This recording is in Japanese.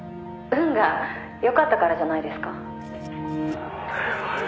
「運が良かったからじゃないですか？」